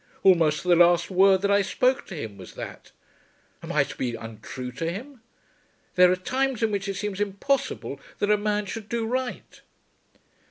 Almost the last word that I spoke to him was that. Am I to be untrue to him? There are times in which it seems impossible that a man should do right."